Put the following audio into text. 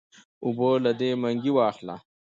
اوبۀ له دې منګي واخله